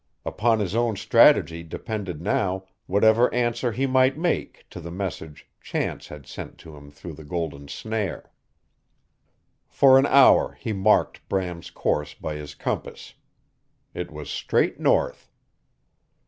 Upon his own strategy depended now whatever answer he might make to the message chance had sent to him through the golden snare. For an hour he marked Bram's course by his compass. It was straight north.